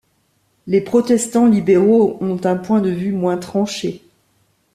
Les protestants libéraux ont un point de vue moins tranché.